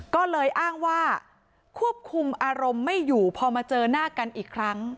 ก็เลยอ้างว่าควบคุมอารมณ์ไม่อยู่พอมาเจอหน้ากันอีกครั้ง